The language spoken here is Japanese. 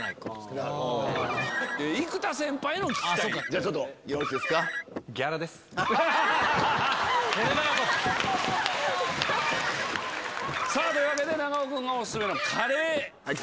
じゃあよろしいですか？というわけで長尾君がオススメのカレー。